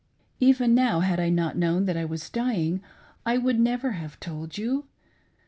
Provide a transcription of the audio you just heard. Even now, had I not known that I was dying, I never would have told you.